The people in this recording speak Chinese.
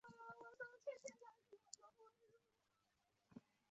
反步兵地雷又可以分为爆炸式地雷或是碎片式地雷二种。